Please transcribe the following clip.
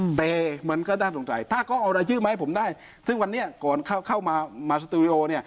แต่มันก็น่าสงสัยถ้าเขาเอารายชื่อมาให้ผมได้ซึ่งวันนี้ก่อนเข้าเข้ามามาสตูดิโอเนี่ย